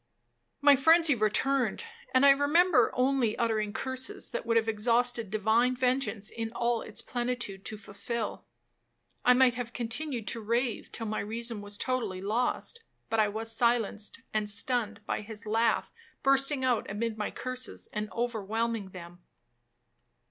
My frenzy returned, and I remember only uttering curses that would have exhausted divine vengeance in all its plenitude to fulfil. I might have continued to rave till my reason was totally lost, but I was silenced and stunned by his laugh bursting out amid my curses, and overwhelming them.